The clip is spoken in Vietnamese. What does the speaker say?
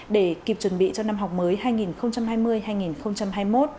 để kịp chuẩn bị cho năm học mới hai nghìn hai mươi hai nghìn hai mươi một